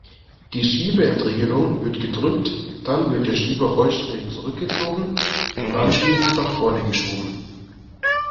Die Schieberentriegelung wird gedrückt, dann wird der Schieber vollständig zurückgezogen und anschließend nach vorne geschoben.